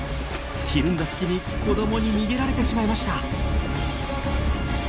ひるんだ隙に子どもに逃げられてしまいました。